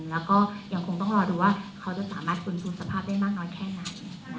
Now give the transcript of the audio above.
แล้วก็ยังคงต้องรอดูว่าเขาจะสามารถค้นสภาพได้มากน้อยแค่ไหน